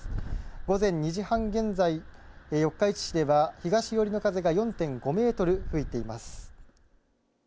午前２時半現在、四日市市では東寄りの風が４．５メートル吹いています。